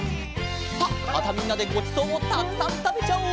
さあまたみんなでごちそうをたくさんたべちゃおう！